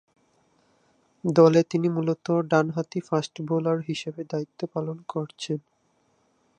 দলে তিনি মূলতঃ ডানহাতি ফাস্ট-বোলার হিসেবে দায়িত্ব পালন করছেন।